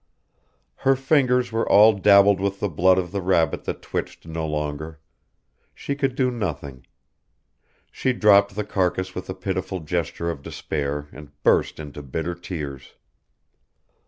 Her fingers were all dabbled with the blood of the rabbit that twitched no longer. She could do nothing. She dropped the carcase with a pitiful gesture of despair and burst into bitter tears.